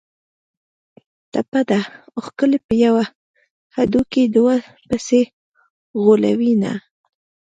ټپه ده: ښکلي په یوه هډوکي دوه سپي غولوینه